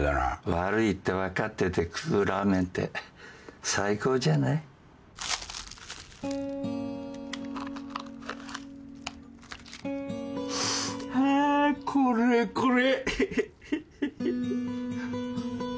悪いって分かってて食うラーメンって最高じゃない？はこれこれ！